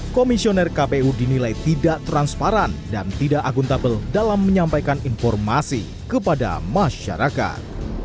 komisioner kpu dinilai tidak transparan dan tidak akuntabel dalam menyampaikan informasi kepada masyarakat